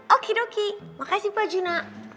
okidoki makasih pak juna